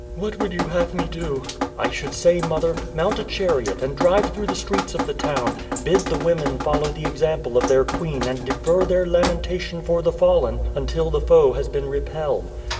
"What would you have me do?" "I should say, mother, mount a chariot and drive through the streets of the town; bid the women follow the example of their queen and defer their lamentation for the fallen until the foe has been repelled.